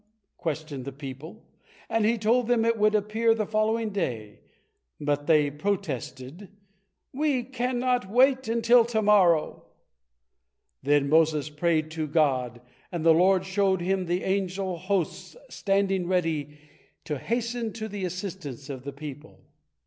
questioned the people, and he told them it would appear the following day, but they protested, "We cannot wait until to morrow." Then Moses prayed to God, and the Lord showed him the angel hosts standing ready to hasten to the assistance of the people.